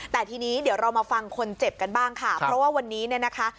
แต่ทีนี้เดี๋ยวเรามาฟังคนเจ็บกันบ้างค่ะเพราะว่าวันนี้เนี่ยนะคะ